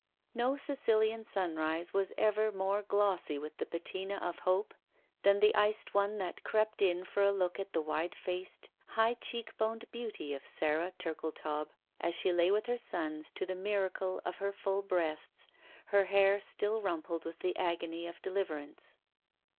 No Sicilian sunrise was ever more glossy with the patina of hope than the iced one that crept in for a look at the wide faced, high cheek boned beauty of Sara Ttu'ldetaub as she lay with her sons to the miracle of her full breasts, her hair still rumpled with the agony of deliverance.